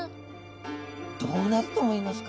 どうなると思いますか？